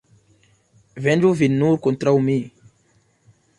Venĝu vin nur kontraŭ mi.